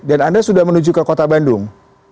dan anda sudah menuju ke kota bandung